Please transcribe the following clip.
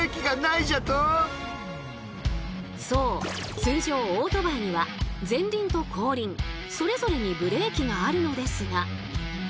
通常オートバイには前輪と後輪それぞれにブレーキがあるのですが。